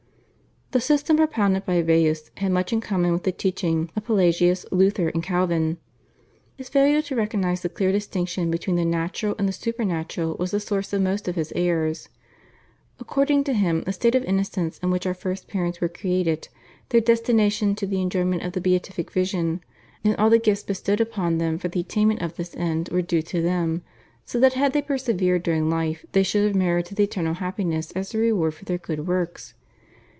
The system propounded by Baius had much in common with the teaching of Pelagius, Luther, and Calvin. His failure to recognise the clear distinction between the natural and the supernatural was the source of most of his errors. According to him the state of innocence in which our first parents were created, their destination to the enjoyment of the Beatific Vision, and all the gifts bestowed upon them for the attainment of this end were due to them, so that had they persevered during life they should have merited eternal happiness as a reward for their good works.